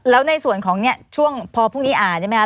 แล้วในส่วนของเนี่ยช่วงพอพรุ่งนี้อ่านใช่ไหมคะ